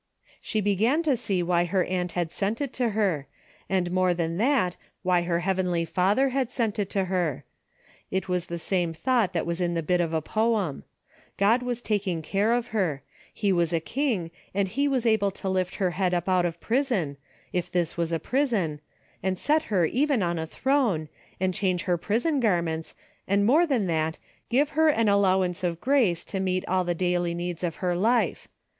She began to see why her aunt had sent it to her, and more than that why her heavenly Father had sent it to her. It was the same thought that was in the bit of a poem. God was taking care of her. He was a king and he was able to lift her head up out of prison, if this was a prison, and set her even on a throne, and change her prison garments, and more than that give her an allowance of grace to meet all the daily needs of her life.